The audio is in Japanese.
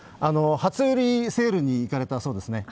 初売りセールに行かれたそうですね。